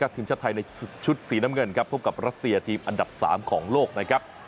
ทีมชาติไทยในชุดสีน้ำเงินครับพบกับรัสเซียทีมอันดับ๓ของโลกนะครับ